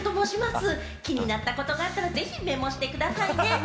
気になるネタがあったらメモしてくださいね。